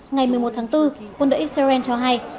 ngày một mươi một tháng bốn quân đội israel cho hay